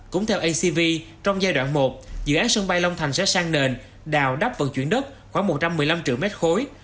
cũng theo acv trong giai đoạn một dự án sân bay long thành sẽ sang nền đào đắp vận chuyển đất khoảng một trăm một mươi năm triệu mét khối